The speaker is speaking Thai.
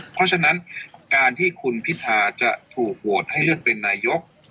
เพราะฉะนั้นการที่คุณพิธาจะถูกโหวตให้เลือกเป็นนายก